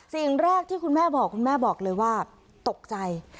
สิ่งแรกที่คุณแม่บอกคุณแม่บอกเลยว่าตกใจ